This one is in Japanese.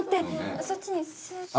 そっちにスっと。